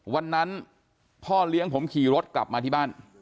วันนั้นพ่อเลี้ยงผมขี่รถกลับมาที่บ้าน